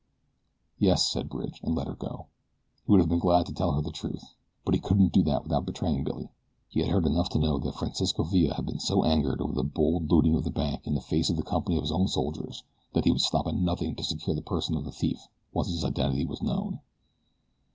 "Yes," said Bridge, and let her go. He would have been glad to tell her the truth; but he couldn't do that without betraying Billy. He had heard enough to know that Francisco Villa had been so angered over the bold looting of the bank in the face of a company of his own soldiers that he would stop at nothing to secure the person of the thief once his identity was known.